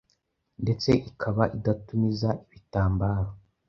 ndetse ikaba idatumiza ibitambaro